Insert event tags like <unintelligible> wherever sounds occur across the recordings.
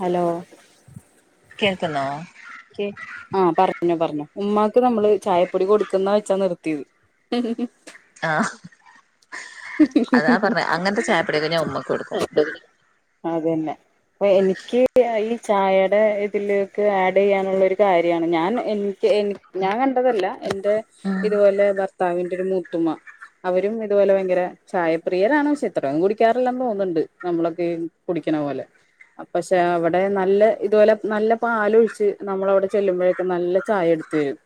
Hello? കേൾക്ക്ന്നോ? കേ ആഹ് പറഞ്ഞോ പറഞ്ഞോ, ഉമ്മാക്ക് നമ്മള് ചായപ്പൊടി കൊടുക്ക്ന്ന വെച്ചാ നിർത്തിത് <unintelligible> ആഹ്, അതാ പറഞ്ഞേ അങ്ങൻത്തെ ചായപ്പൊടിയൊക്കെ ഞാൻ ഉമ്മക്ക് കൊട്ക്കും. അതന്നെ പ്പൊ എനിക്ക് ഈ ചായടെ ഇതിലേക്ക് ആഡിയ്യാനുള്ളൊരു കാര്യാണ് ഞാൻ എനിക്ക് എനി ഞാൻ കണ്ടതല്ല എന്റെ ഉം ഇത് പോലെ ബർത്താവിന്റെ ഒര് മൂത്തുമ്മാ അവരും ഇതുപോലെ ഭയങ്കര ചായപ്രിയരാണ് പക്ഷെ ഇത്രം കുടിക്കാറില്ലന്ന് തോന്ന്ണ്ട് നമ്മളൊക്കെ കുടിക്കണ പോലെ അ പക്ഷെ അവടെ നല്ല ഇതുപോലെ നല്ല പാലൊഴിച്ച് നമ്മള അവടെ ചെല്ലുമ്പഴെക്കെ നല്ല ചായ എട് ത്തേരും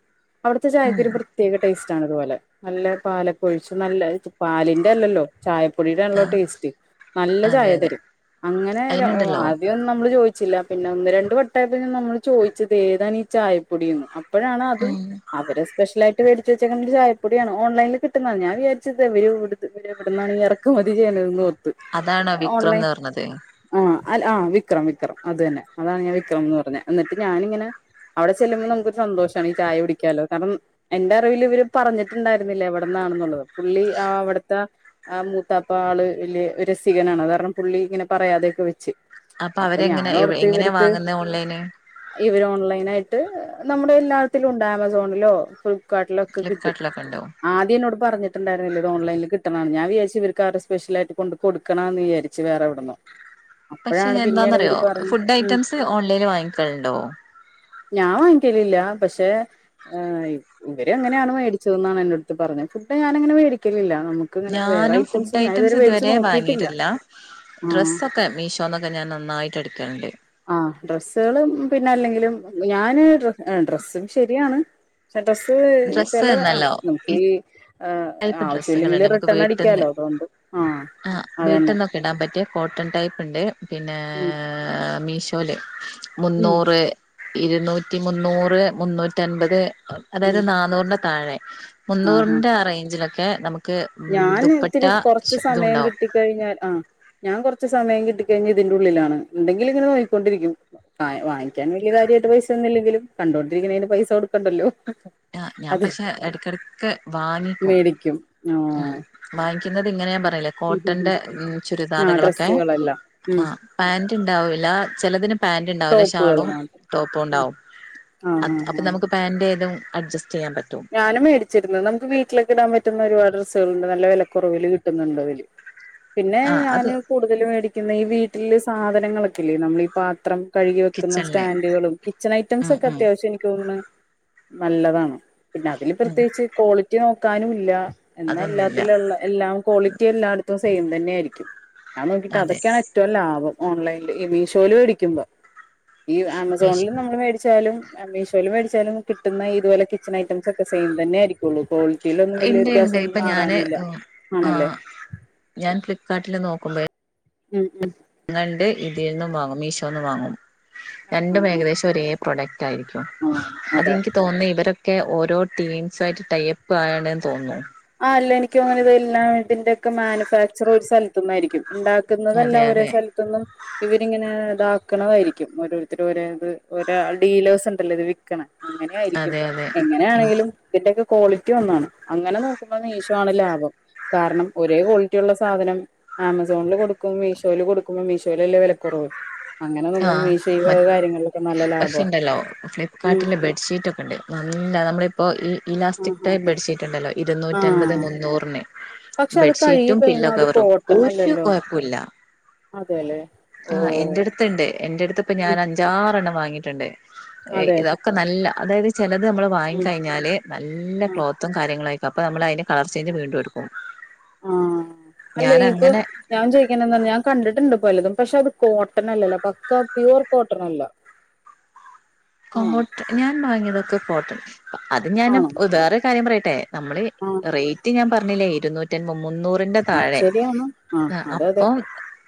അവ്‌ട്ത്തെ ഉം ചായക്കൊരു പ്രത്യേക ടേസ്റ്റ് ആണ് ഇതുപോലെ നല്ല പാലൊക്ക ഒഴിച്ച് നല്ല പാലി ൻ്റെ അല്ലല്ലോ ചായപ്പൊടീടെണല്ലോ ആഹ് ടേസ്റ്റ് നല്ല അതെ അതെ ചായതരും അങ്ങനെ ര ഒഹ് അയിനുണ്ടല്ലോ ആദ്യം നമ്മള് ചോയ് ച്ചില്ല പിന്നെ ഒന്ന് രണ്ട് വട്ടായപ്പോ നമ്മള് ചോയിച്ചത് ഏതാണ് ഈ ചായപ്പൊടിന്ന് അപ്പഴാണ് അതും ഉം അവര് സ്പെഷ്യലായിട്ട് വേടിച്ച് വെച്ചേക്ക്ണ ഒരു ചായപ്പൊടിയാണ് ഓൺലൈൻല് കിട്ടുന്നതാണ് ഞാൻ വിജാരിച്ചു ഇതെവിടു ഇത് പിന്നെ എവിടുന്നാണ് ഈ എറക്കുമതി ചെയ്ണത്‌ന്നോ അതാണ് വിക്രം ന്ന് പറിണത് ആഹ് അൽ ആഹ് വിക്രം വിക്രം അത് തന്നെ അതാണ് ഞാൻ വിക്രം എന്ന് പറഞ്ഞേ എന്നിട്ട് ഞാനിങ്ങനെ അവടെ ചെല്ലുമ്പോ നമുക്കൊരു സന്തോഷാണ് ഈ ചായ കുടിക്കാലോ കാരണം എന്റെ അറിവില് ഇവര് പറഞ്ഞിട്ടുണ്ടായിരുന്നില്ല എവിടന്നാണെന്നുള്ളത് പുള്ളി ആവടെ ത്ത ആ മൂത്താപ്പ ആള് വല്യയ രസികനാണ് അത് കാരണം പുള്ളി ഇങ്ങനെ പറയാതെയൊക്കെ വെച്ച് അപ്പൊ അവരെങ്ങനെ എവ ഞാനോർത്ത് എങ്ങനെയാ ഇവർക്ക് വാങ്ങുന്നത് ഓൺലൈന് ഇവര് ഓൺലൈനായിട്ട് നമ്മുടെ എല്ലാത്തിലും ഉണ്ട് ആമസോണിലോ ഫ്ലിപ്പ്കാർട്ടിലൊ ക്കെ കിട്ടും ഫ്ലിപ്കാർട്ടിലൊക്കെ ഉണ്ടോ ആദ്യം എന്നോട് പറഞ്ഞിട്ടുണ്ടായിരുന്നില്ല ഇത് ഓൺലൈനിൽ കി ട്ട്ണതാണ്. ഞാൻ വിജാരിച്ച് ഇവര്ക്ക് ആരോ സ്പെഷ്യലായിട്ട് കൊണ്ട് കൊടുക്കണാന്ന് വിജാരിച്ച് വേറെവ്ട്ന്നോ പക്ഷെ എന്താന്നറിയോ ഫുഡ് ഉം ഐറ്റംസ് ഓൺലൈനിൽ വാങ്ങിക്കല്ണ്ടോ ഞാൻ വാങ്ങിക്കലില്ല പക്ഷെ ആ ഇ ഇവര് അങ്ങനെയാണ് വേടിച്ചതന്നാണ് എൻ്റെ അടുത്ത് പറഞ്ഞത് ഫുഡ് ഞാനങ്ങനെ വേടിക്കലില്ല നമു ഞാനും ഫുഡ് ഐറ്റംസ് ഇതുവരെ നോക്കിയിട്ടില്ല വാങ്ങിയിട്ടില്ല ആഹ് ഡ്രസ്സൊക്കെ മീഷോന്നൊക്കെ ഞാൻ നന്നായിട്ട് എടുക്കല്ണ്ട് ആഹ് ഡ്രസ്സുകളും പിന്നെ അല്ലെങ്കിലും ഞാന് ഡ്ര ഡ്രസ്സും ശരിയാണ് പക്ഷ ഡ്രസ്സ് ഡ്രസ്സ് ചെലത് ആ എന്നല്ലോ ഈ നമുക്കീ ടൈപ്പ് ആവശ്യം ഇല്ലെങ്കില് ഡ്രസ്സുകളുണ്ട് റ നമുക്ക് ത്രണ്ണം വീട്ടിന്ന് അടിക്കാലോ അതുകൊണ്ട് ആഹ് ആ അതന്നെ വീട്ടിൽന്നൊക്കെ ഇടാൻ പറ്റിയ കോട്ടൺ ടൈപ്പ് ഇണ്ട് പിന്നെ ഉം മീഷോല് ഉം മുന്നൂറ് ഇരുന്നൂറ്റി മുന്നൂറ് മുന്നൂറ്റൻപത് അതായത് ഉം നാന്നൂറിന്റെ താഴെ മുന്നൂറിന്റെ ആ റൈറ്റിലൊക്കെ നമുക്ക് ഉം ഞാന് ദുപ്പട്ട ഇത്തിരി കൊർച്ച് സമയം ഇതുണ്ടാവും കിട്ടി കഴിഞ്ഞാൽ ആ ഞാൻ കൊർച്ച് സമയം കിട്ടി കഴിഞ്ഞ ഇതിന്റെ ഉള്ളിലാണ് ഇണ്ടെങ്കില് ഇങ്ങനെ നോക്കി കൊണ്ടിരിക്ക്യും വാ വാങ്ങിക്ക്യാൻ വല്യയ കാര്യായിട്ട് പൈസ ഒന്നുല്ലെങ്കിലും കണ്ടുകൊണ്ടിരിക്ക്ണേന് പൈസ കൊട്ക്കണ്ടല്ലോ ആഹ് ഞാൻ പക്ഷെ എടക്കടക്ക് വാങ്ങിക്കും ആ വാ ങ്ങിക്കുന്നത് ഇങ്ങനെ ഞാൻ പർഞ്ഞിലേ കോട്ടന്റെ ഉം ആ ചുരിദാറുകളൊക്കെ ഡ്രസ്സുകളെല്ലാം ഉം ആഹ് പാന്റ് ഇണ്ടാവൂല ചെലതിന് പാന്റ് ഇണ്ടാവൂല ടോപ്പുകൾ ഷാളും മാത്രം ടോപ്പും ഉം ഉണ്ടാവും ആ അ അപ്പൊ ആ ആ നമുക്ക് പാന്റ് ഏതും അഡ്ജസ്റ്റിയ്യാൻ പറ്റും ഞാനും മേടിച്ചിരുന്നു നമുക്ക് വീട്ടിലൊക്കെ ഇടാൻ പറ്റുന്ന ഒരുപാട് ഡ്രസ്സേള്ണ്ട് നല്ല വെലക്കുറവില് കിട്ടുന്നുണ്ട് അതില് പിന്നെ ആ അത് ഞാന് കൂടുതല് വേടിക്കുന്നത് ഈ വീട്ടില് സാധനങ്ങളൊക്കെല്ലേ നമ്മളീ പാത്രം കഴുകി വെക്കുന്ന കിച്ചണില് സ്റ്റാൻൻ്റുകളും കിച്ചൺ ഉം ഐറ്റംസൊക്കെ ഉം അത്യാവശ്യം എനിക്ക് തോന്ന്ണ് നല്ലതാണ് പിന്നെ അതില് ഉം പ്രത്യേകിച്ച് ക്വാളിറ്റി നോക്കാനും ഇല്ല എന്നാ അതൊന്നുല്ല എല്ലാത്തിലുള്ള എല്ലാം ക്വാളിറ്റി എല്ലായിടത്തും സെയിം തന്നെയായിരിക്കും ഞാൻ നോക്കിയിട്ട് അതെ അതൊക്കെയാണ് ഏറ്റവും ലാഭം ഓൺലൈനിൽ ഈ മീഷോൽ മേടിക്കുമ്പോ ഈ മീഷ് ആമസോണിൽ നമ്മൾ മേടിച്ചാലും ആ മീഷോയിൽ മേടിച്ചാലും കിട്ടുന്ന ഇതുപോലെ കിച്ചൺ ഐറ്റംസ് ഒക്കെ സെയിം തന്നെ ആയിരിക്കുള്ളൂ കോ റ്റിയിലൊന്നും വലിയ ഇണ്ട് ഇണ്ട് വ്യത്യാസൊന്നും ഇപ്പൊ ഞാന് മാറാനില്ല ആണല്ലേ ഞൻ ഫ്ലിപ്കാട്ടില് നോക്കുമ്പേ ഉം ഉം ങ്ങണ്ട് ഇതീന്നും വാങ്ങും. മീഷോന്നും വാങ്ങും ആഹ് രണ്ട് ആഹ് ഏകദേശം ഒരേ പ്രൊഡക് റ്റായിരിക്കും ആഹ് ആഹ് അതാ അതെനിക്ക് തോന്ന്ന്ന് ഇവരൊക്കെ ഓരോ ടീംസായിട്ട് ടൈപ്പ് ആണെന്ന് തോന്നുന്നു ആഹ് അല്ല എനിക്കോണത് ഇതെല്ലാം ഇതിന്റെയൊക്കെ മാനുഫാക്ചർ ഒരു സ്ഥലത്ത്ന്നായിരിക്കും ഇണ്ടാ അതെ ക്ക്ന്നതെല്ലാം ഒരേ അതെ സ്ഥലത്ത്ന്നും ഇവരിങ്ങനെ ഇതാക്ക്ന്നതായിരിക്കും ഓരോരുത്തര് ഓരോത് ഓരാ ഡീലേഴ്സ്ണ്ടല്ലോ ഇത് വി ക്ക്ണ അങ്ങനേ ആയിരിക്കും. അതെ അതെ എനിക്ക് എങ്ങനേണെങ്കിലും ഇതിന്റെ ഒക്കെ ക്വാളിറ്റി ഒന്നാണ് അങ്ങനെ നോ ക്കുമ്പോ മീശോണ് ലാഭം കാരണം ഒരേ ക്വാളിറ്റിള്ള സാധനം ആമസോണില് കൊടുക്കും മീഷോല് കൊടുക്കുമ്പോ മീഷോലല്ലേ വിലക്കുറവ് അങ്ങനെ നോക്കുമ്പോ ആഹ് മീശോയി മ കാര്യങ്ങൾലൊക്കെ നല്ലല്ല പക്ഷെ ഇണ്ടല്ലോ ഫ്ലിപ്പ്കാർട്ടിലെ ബെഡ്ഷീറ്റ് ഒക്കെണ്ട് നല്ല നമ്മളിപ്പോ ഈ ആ ഇലാസ്റ്റിക് ആ ബെഡ്ഷീറ്റ് ണ്ടല്ലോ ആ ആ ഇരുന്നൂറ്റി അൻപത് മുന്നൂറ്ന് പക്ഷെ അത് കഴുകി ബെഡ്ഷീറ്റും പില്ലോ കഴിയുമ്പോ അത് കവറും ഒരു കൊഴപ്പുല്ല അതെല്ലെ ഓഹ് അടുത്തുണ്ട് എന്റെ അട്ത്ത്പ്പം ഞാന് അഞ്ചാറണ്ണം വാങ്ങിട്ട്ണ്ട് അതെ ഇതൊക്കെ നല്ല അതായത് ചെലത് നമ്മള് വാങ്ങി ഉം കഴിഞ്ഞാല് നല്ല ആ ക്ലോ ത്തും കാര്യങ്ങളായിക്കും അപ്പം നമ്മളയിന്റെ കളർചേഞ്ച് വീണ്ടും എടുക്കും ആഹ് അല്ലേ ഞാൻ ഇത് അങ്ങനെ ഞാൻ ചോയിക്കുന്നന്നർഞ്ഞാ ഞാൻ കണ്ടിട്ടുണ്ട് ഇപ്പല്ലതും പക്ഷെ അത് കോട്ടൻ അല്ലല്ലോ പക്കാ പ്യുവർ കോട്ടനല്ല കോട്ട ഞാൻ വാങ്ങിയതൊക്കെ കോട്ടൺ അത് ഞാൻ ആണോ വേറൊര് കാര്യം പറയട്ടെ നമ്മള് ആ റൈറ്റ് ഞാ പറഞ്ഞില്ലേ ഇരുന്നൂ റ്റിം മുന്നൂറിന്റെ ആ താഴെ ശരിയാണ് ആ അതെ അതെ അപ്പം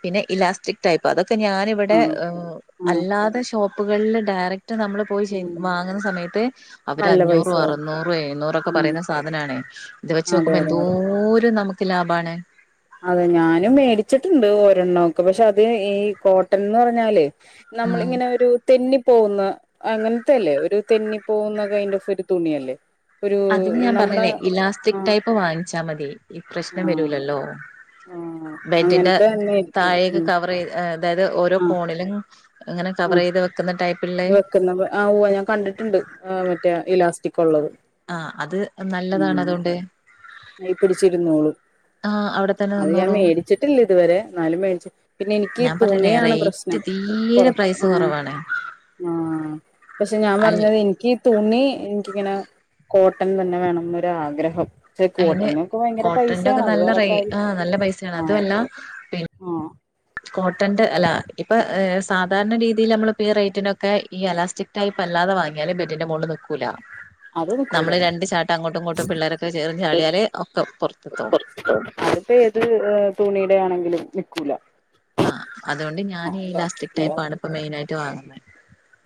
പിന്നെ ഇലാസ്റ്റിക് ടൈപ്പ് അതൊക്കെ ഞാന് ആ ഇവിടെ ആ അല്ലാതെ ഷോപ്പുകളിൽ ഡയറ ക്ട് നമ്മള് പോയിചയ് ഉം വാങ്ങുന്ന സമയത്ത് അവര് നല്ല അഞ്ഞൂറും പൈസയാവും അറുന്നൂറും എഴ്ന്നൂറൊക്കെ ഉം പറയുന്ന സാധനാണേ ഇത് അതെ വെച്ചോക്കുമ്പം അതെ അതെ എന്തോര് നമ്ക്ക് ലാഭാണ് അതെ ഞാനും മേടിച്ചിട്ടുണ്ട് ഒരെണ്ണൊക്കെ പക്ഷെ അത് ഈ കോട്ടൻന്ന് പറഞ്ഞാല് ഉം നമ്മളിങ്ങനെ ഒരു തെന്നി പോകുന്ന അങ്ങൻത്തെല്ലേ ഒരു തെന്നി പോകുന്നക്കൊയിന്റെ അനുസരിച്ചരു തുണിയല്ലേ ഒരു അതിന് ഞാൻ നമ്മുടെ പറഞ്ഞില്ലേ ആ ഇലാസ്റ്റിക് ടൈപ്പ് വാങ്ങി ച്ചാ മതി ഇ ആ പ്രശ്ണം വരൂലല്ലോ ആ ബെഡിന്റെ അങ്ങനത്തെ തന്നെ ആയിരിക്കും താഴേക്ക് ഉം കവറൈയ്ത് അതായത് ഓരോ ആ കോണിലും ഇങ്ങനെ കവറൈത് വെക്കുന്ന ടൈപ്പ് വെക്കുന്നത് ആ ഉവ്വെ ഞാൻ കണ്ടിട്ടുണ്ട് മറ്റേ ഇലാസ്റ്റികുള്ളത് ആഹ് അത് നല്ലതാണ് അതോണ്ട് നൈപിടിച്ചിരുന്നോളും ആഹ് അവിടെ തന്നെ അത് ഞാം നിന്നോളും മേടിച്ചിട്ടില്ല ഇതുവരെ എന്നാലും മേടിച്ചു പിന്നെ എനിക്ക് തുണിയാണ് പ്രശ്നം ക്ക് കൊറ തീരെ പൈസ ആഹ് കൊറവാണ് ആഹ് പക്ഷെ ഞാൻ പറഞ്ഞത് എനിക്ക് - തുണി എനിക്ക് ഇങ്ങനെ കോട്ടൻ തന്നെ വേണംന്ന് ഒരാഗ്രഹം പക്ഷെ അയിന് കോട്ടനൊക്കെ ഭയങ്കര കോട്ടന്റെ ഒക്കെ പൈസയാണ് അത് നല്ല വേറെ റേ ആ കാര്യം നല്ല പൈസയാണ് ആഹ് അതുമല്ല പിന്നെ ആഹ് കോട്ടന്റെ അല്ല ഇപ്പൊ സാധാരണ രീതിയിൽ നമ്മളിപ്പ ഈ റൈറ്റിനൊക്കെ ഈ എലാസ്റ്റിക് - ടൈപ്പ് അല്ലാെതെ വങ്ങിയാലും ബെഡിന്റെ മോളില് നിക്കൂല അത് നിക്കൂല നമ്മള് രണ്ട് ചാട്ടം അങ്ങോട്ടും ഇങ്ങോട്ടും പിള്ളേരൊക്കെ ചേർന്ന് ചാടിയാല് ഒക്കെ പൊറത്ത്ക്കാവും അതിപ്പോ ഏത് തുണിടെ ആണെങ്കിലും നിക്കൂല ആഹ് അതുകൊണ്ട് ഞാന് ആഹ് ഇലാസ്റ്റിക് ടൈപ്പാണ് ഇല്ലാത്ത ഇപ്പൊ മെയിനായിട്ട് വാങ്ങുന്നത്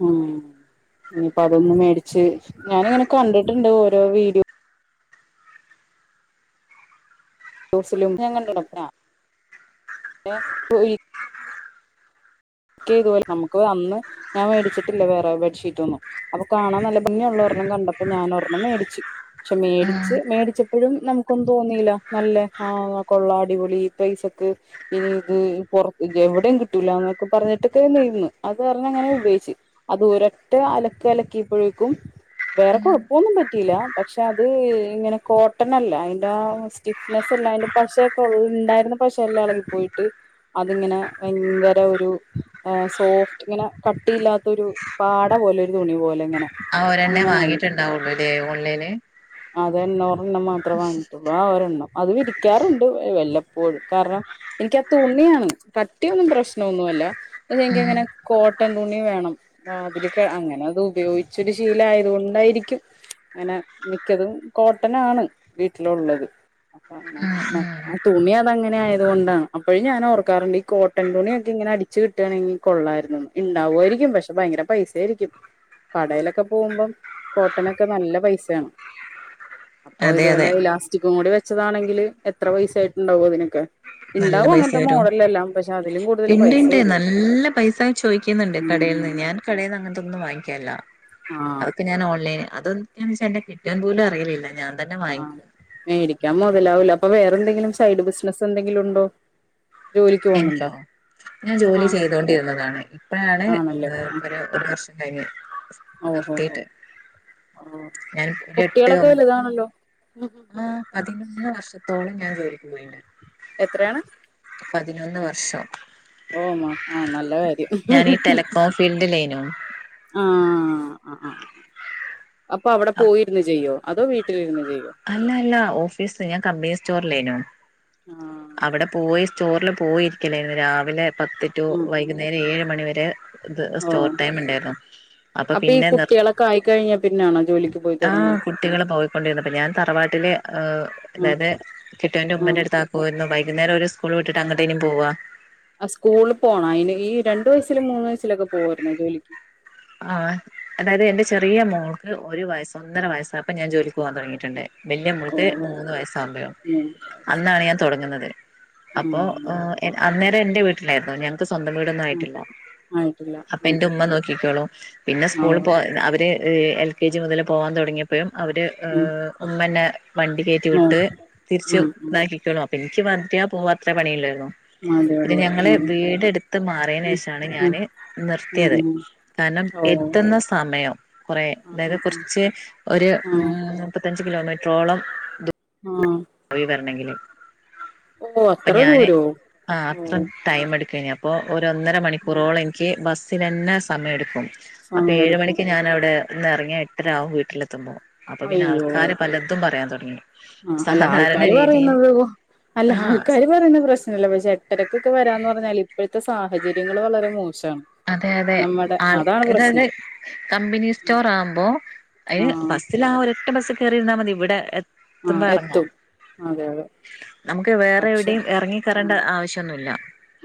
ഉം ഇനിപ്പ അതൊന്നാ മേടിച്ച് ഞാനിങ്ങനെ കണ്ടിട്ടുണ്ട് ഓരോ വീഡിയോ - ഇപ്പൊ <unintelligible> വീട്ടില് ക്ക് ഇത് പോലെ നമുക്ക് അന്ന് ഞാൻ മേടിച്ചിട്ടില്ല വേറെ ബെഡ്ഷീറ്റൊന്നും അപ്പൊ കാണാൻ നല്ല ഭംഗി ഉള്ള ഒരെണം കണ്ടപ്പോ ഞാൻ ഒരെണ്ണം മേടിച്ചു പക്ഷെ മേടിച്ച് മേടിച്ചപ്പോഴും നമുക്ക്- കൊണ്ട് വന്നീല നല്ല ആഹ് കൊള്ളാം അടിപൊളി പൈസക്ക് - ഇനി ഇത് പുറ എവിടെയും കിട്ടൂല എന്നൊക്കെ പറഞ്ഞിട്ടൊക്കെ നിന്ന് അത് പറഞ്ഞ അങ്ങനെ ഉപയോഗിച്ച് അത് ഒര് ഒറ്റ അലക്ക് അലക്കിയപ്പോഴേക്കും വേറെ കൊഴപ്പൊന്നും പറ്റിയില്ല പക്ഷെ അത് ഇങ്ങനെ കോട്ടൺ അല്ല അതിന്റെ സ്റ്റിഫ്നെസ് അല്ല അതിന്റെ പശ - ഉണ്ടായിരുന്നു പശ എല്ലാം ഇളകി പോയിട്ട് അതിങ്ങനെ ഭയങ്കര - ഒരു സോഫ്റ്റ് ഇങ്ങനെ കട്ടിയില്ലാത്ത ഒരു പാട പോലെ ഒരു തുണി പോലെ ഇങ്ങനെ ആ ഒരെണ്ണമേ അങ്ങനായി വാങ്ങീട്ടുണ്ടാവുള്ളു ഇല്ലേ ഓൺലൈന് അത് ഒരെണ്ണം മാത്രേ വാങ്ങിട്ടുള്ളൂ ആ ഒരെണ്ണം അത് വിരിക്കാറുണ്ട് വല്ലപ്പോഴും കാരണം - എനിക്ക് ആ തുണിയാണ് കട്ടിയൊന്നും പ്രശ്നമൊന്നുമല്ല പക്ഷെ എനിക്ക് ഉം ഇങ്ങനെ - കോട്ടൺ തുണി വേണം അതില് അങ്ങനെ അത് ഉപയോഗിച്ച് ഒരു ശീലം ആയതുകൊണ്ടായിരിക്കും - അങ്ങനെ മിക്കതും കോട്ടനാണ് വീട്ടിലുള്ളത് അങ്ങനെ ആഹ് മറ്റ ആഹ് ആ തുണി അത് അങ്ങനെ ആയതുകൊണ്ടാണ് അപ്പോഴും ഞാൻ ഓർക്കാറുണ്ട് ഈ കോട്ടൺ തുണിയൊക്കെ ഇങ്ങനെ അടി- ച്ച് കിട്ടുയാണെങ്കിൽ കൊള്ളാമായിരുന്നു ഇണ്ടാവുയിരിക്കും പക്ഷെ ഭയങ്കര പൈസ ആയിരിക്കും കടയിലൊക്കെ പോകുമ്പം കോട്ടനൊക്കെ നല്ല പൈസയാണ് അപ്പൊ അതെ അതെ ഇതുപോലെ ഇലാസ്റ്റിക്കും കൂടി വെച്ചതാണെങ്കില് എത്ര പൈസ ആയിട്ട് ഉണ്ടാവും ഇതിനൊക്കെ നല്ല പൈസ വരോ കൂടുതൽ ഇണ്ട് പൈസ ഇണ്ട് വരും അത് നല്ല പൈസ ചോദിക്കുന്നുണ്ട് കടെന്ന് ഉം ഞാൻ - കടെന്ന് അങ്ങനത്തൊന്നും വാങ്ങിക്കാറില്ല ആഹ് അതൊക്കെ ഞാൻ ഓൺലൈൻ അതോന്നും - എങ്ങനെ എന്ന് വെച്ചാൽ എന്നെ കിട്ടുവാൻ പോലും അറിയില്ലില്ല ഞാൻ തന്നെ ആഹ് വാങ്ങിക്കും മേടിക്കാൻ മൊതലാവൂല അപ്പൊ വേറെ എന്തെങ്കിലും സൈഡ് ബിസിനസ്സ് എന്തെങ്കിലും ഒണ്ടോ എനിക്കോ ഞാൻ ജോലി ആഹ് ചെയ്തോണ്ടിരുന്നതാണ് ഇപ്പഴാണ് ആണല്ലേ ആഹ് ഒരു - ഒരു വർഷം കഴിഞ്ഞ് ഓഹോ ഹോ നിർത്തിട്ട് ഓഹ് ഞാൻ ഒരു എട്ട് ഒമ്പത് - ഉം ഉം <unintelligible> പതിനൊന്ന് വർഷത്തോളം ഞാൻ ജോലിക്ക് പോയിട്ടുണ്ട് എത്രയാണ് പതിനൊന്ന് വർഷം ഓഹ് മാ ആഹ് നല്ല കാര്യം ഞാൻ ഈ ടെലകോം ഫീൽഡിലേനു ആഹ് ആഹ് അപ്പൊ അവിടെ പോയി ഇത് ചെയ്യോ അതോ വീട്ടില് ഇരുന്ന് ചെയ്യോ അല്ല അല്ല ഓഫീസ് ഞാൻ കമ്പനി സ്റ്റോറിലേനു ആഹ് അവിടെ പോയി സ്റ്റോറില് പോയിരിക്കല്ലേന്ന് രാവിലെ പത്ത് ടു ഉം ഉം വൈകുന്നേരം ഏഴ് മണിവരെ ഇത് സ്റ്റോർ ഓഹ് ടൈം ഇണ്ടാർന്നു അപ്പൊ പിന്നെ നിർ ക്കായി കഴിഞ്ഞേ പിന്നാണോ ജോലിക്ക് പോയി ആഹ് തുടങ്ങിയ കുട്ടികള് പോയിക്കൊണ്ടിരുന്നപ്പൊ ഞാൻ തറവാട്ടില് ഏഹ് ആ അതായത് കെട്ടിയോന്റെ ആ ഉമ്മെന്റെ അടുത്താർ പോയിരുന്നു വൈകുന്നേരം അവര് സ്കൂൾ വിട്ടിട്ട് അങ്ങട്ടന്നേ പോവ്വാ ആ സ്കൂളിൽ പോണം അയിന് ഈ രണ്ടു വയസ്സില് മൂന്ന് വയസ്സിലൊക്കെ പോവുമായിരുന്ന് ജോലിക്ക് ആഹ് അതായത് എന്റെ ചെറിയ മോൾക്ക് ഒരു വയസ് ഒന്നര വയസ്സായപ്പം ഞാൻ ജോലിക്ക് പോകാൻ തുടങ്ങിട്ടിണ്ട് വല്യ ഓ മോൾക്ക് മൂന്ന് വയസ് ആകുമ്പോഴും മൂന്ന് വയസ്സ് അന്നാണ് ഞാൻ തൊടങ്ങുന്നത് അപ്പോ ഉം ആ എ അന്നേരം എന്റെ വീട്ടിലായിരുന്നു ഞങ്ങക്ക് സ്വന്തം വീടൊന്നും ഉം ആയിട്ടില്ല ആയിട്ടില്ല അപ്പൊ ഉം എന്റെ ഉം ഉമ്മ നോക്കിക്കോളൂം പിന്നെ ആ സ്കൂളില് പോവാൻ അവര് ഏ എൽ കെ ജി മുതൽ പോകാൻ തുടങ്ങിയപ്പോഴും അവര് ഉം ഏഹ് ഉമ്മന്നെ വണ്ടി കേറ്റി വിട്ട് നോക്കും തിരിച്ച് ഉം ഉം ഇതാക്കിക്കൊളും എനിക്ക് <unintelligible> പോവാ അത്രേ പണിയിള്ളാർന്നു പിന്നെ മതിയുള്ളൂ ഞങ്ങള് ഉം വീടെടുത്ത് ഉം മാറിയേനേഷാണ് ഉം ഞാന് ഉം നിർത്തിയത് ഉം കാരണം ഓ എത്തുന്ന സമയം കുറേ ആ ആ അതായത് ആ കുറച്ച് ഒരു ആ ഏഹ് മുപ്പത്തഞ്ച് കിലോമീറ്ററോളം ആഹ് പോയി വരണെങ്കില് അപ്പൊ അത്ര ഞാന് ദൂരോ ആഹ് ഓ അപ്പം ടൈം എടുക്കഴിഞ്ഞപ്പോ ഒരൊന്നര ഉം മണിക്കൂറോളം എനിക്ക് ബസ്സിനന്നെ സമയെടുക്കും അപ്പേഴ് സമയെടുക്കും മണിക്ക് ഞാൻ അവിടെ നിന്ന് എറങ്ങിയാ എട്ടരാകും വീട്ടിലെത്തുമ്പോ അപ്പൊ പിന്നെ ആൾക്കാര് പലതും പറയാൻ തൊടങ്ങി ആഹ് അല്ല ആൾക്കാര് പറയുന്നതോ അല്ല ആഹ് ആൾക്കാര് പറയുന്ന പ്രശ് നല്ല പക്ഷെ എട്ടരക്ക്ക്കെ വരാന്ന് പറഞ്ഞാല് ഇപ്പഴത്തെ സാഹചര്യങ്ങള് വളരെ മോശമാണ് അതെ അതെ ആൾക്കാര് അത് കമ്പനി സ്റ്റോർ ആകുമ്പോ ആ അയിന് ബസ്സിൽ ആ ഒരൊറ്റ ബസ്സ് കേറിരുന്നാ മതി ഇവിടെ എ ആഹ് എത്തും അതെ അതെ നമുക്ക് വേറെ പക്ഷെ എവിടെയും എറങ്ങി ആ കേറണ്ട ആവശ്യൊന്നുല്ല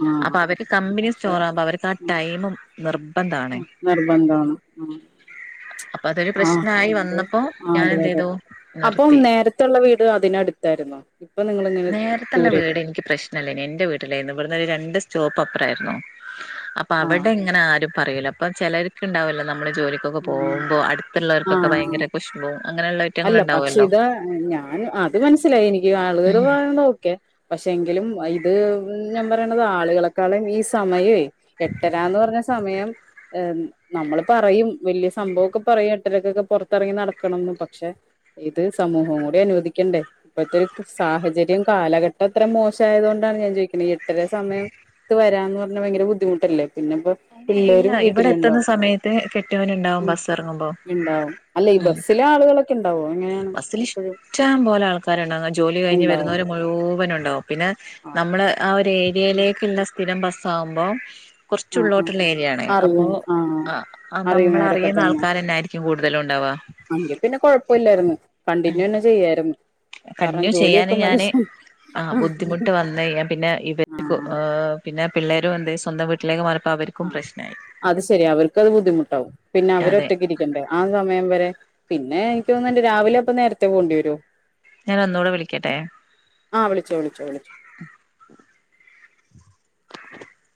ആ അപ്പൊ അവർക്ക് കമ്പനി പക്ഷെ സ്റ്റോറാവുമ്പോ അവർക്ക് ആ ടൈമും നിർബന്ധാണ് ആഹ് നിർബന്ധാണ് ഉം അപ്പൊ അതൊരു ആഹ് പ്രശ്നായി തെ വന്നപ്പോ ആഹ് ഞാൻ അതെ എന്ത് അതെ ചെയ്തു അപ്പം നിർത്തി നേര ത്തുള്ള വീട് അതിനടുത്തായിരുന്നോ ഇപ്പൊ നിങ്ങള് ഇങ്ങനെ നേരത്തുള്ള വീട് ദൂരേക്കും എനിക്ക് പ്രശ് നല്ലേനി എന്റെ വീട്ടില് ആയിരുന്ന് ഇവിടുന്ന് ഒരു രണ്ട് സ്റ്റോപ്പ് അപ്പറായിരുന്നു അപ്പൊ ആ അവിടെ ഇങ്ങനെ ആരും പറയൂല്ല അപ്പ ചെലർക്ക് ഇണ്ടാവോല്ലോ നമ്മള് ജോലി ക്കൊക്കെ പോകുമ്പോ ആ അടുത്തുള്ളവർക്കൊക്കെ ആ ഭയങ്കര കുശുമ്പും അങ്ങനെയുള്ള ഐറ്റങ്ങൾ അല്ല പക്ഷെ എണ്ടാവോല്ലോ ഇത് ഞാൻ അത് മനസ്സിലായി എനിക്ക് ആളുകള് ഉം പറയണത് ഓക്കെ പക്ഷെ എങ്കിലും അ ഇത് ഞാൻ പറയണത് ആളുകളെക്കാളും ഈ സമയവേ എട്ടരാന്ന് പറഞ്ഞ സമയം എ നമ്മള് പറയും വല്യ സംഭവോക്ക പറയും എട്ടരക്കൊക്കെ പൊറത്തിറങ്ങി നടക്കണംന്ന് പക്ഷെ ഇത് സമൂഹം കൂടി അനുവദിക്കണ്ടേ ഇപ്പത്തെ ഒരു ക സാഹചര്യം കാലഘട്ടം അത്ര മോശായത് കൊണ്ടാണ് ഞാൻ ചോദിക്കണെ ഈ എട്ടര സമയം ത്ത് വരാന്ന് പറഞ്ഞാ ഭയങ്കര ബുദ്ധിമുട്ടല്ലേ പിന്നെ ഇപ്പം ഇല്ല പിള്ളേരും ഇവിടെ വീട്ടിലുണ്ടോ എത്തുന്ന സമയത്ത് കെട്ടിയോൻ ഉണ്ടാവും ഉം ബസ് ഇറങ്ങുമ്പോ ഇണ്ടാവും അല്ല ഈ ഉം ബസില് ആളുകളൊക്കെ ഉണ്ടാവോ എങ്ങനെയാണ് എപ്പഴും ക്ഷ്ടം പോലെ ആൾക്കാരുണ്ടാവും ജോലി കഴിഞ്ഞ് വരുന്നവരും മൊ മുഴുവനും ഉണ്ടാവും. പിന്നെ ആഹ് നമ്മള് ആ ഒരു ഏരിയയിലേക്ക്ല്ലെ സ്ഥിരം ബസ്സാവുമ്പോ ച്ച് ആഹ് ആഹ് ഉള്ളോട്ട്ല്ലെ ആഹ് ഏരിയാണ്. അപ്പൊ അറിയും ആഹ് അ നമ്മള് അറിയുന്നവരൊക്കെ അറിയുന്ന തന്നെ ആൾക്കാരെന്നെ ആയിരിക്കും കൂടുതലു ഉണ്ടാവാ. എങ്കി പിന്നെ കൊഴപ്പം ഇല്ലായിരുന്നു കണ്ടിന്യൂ തന്നെ ചെയ്യായിരുന്നു. കാരണം കണ്ടിന്യൂ ചെയ്യാന് ജോലിയൊക്കെ ഞാന് മനുഷ്യൻ ആഹ് ബുദ്ധിമുട്ട് വന്നഴിഞ്ഞാ പിന്നെ ഇവർക്കു ആഹ് ഏ ഹ് പിന്നെ പിള്ളേരു എന്തേ സ്വന്തം വീട്ടിലേക്ക് മാറിയപ്പം അവര് ആഹ് അത് ശരിയാ അവർക്കത് ബുദ്ധിമുട്ടാവും പിന്നെ അവര് അതെ ഒറ്റക്കിരിക്കണ്ടേ ആ സമയം വരെ. പിന്നെ എനിക്ക് തോന്നുന്നുണ്ട് രാവിലെ അപ്പം നേരത്തെ പോണ്ടി വര്വോ? ഞാൻ ഒന്നൂടെ വിളിക്കട്ടെ. ആഹ് വിളിച്ചോ വിളിച്ചോ വിളിച്ചോ. <inaudible> <inaudible>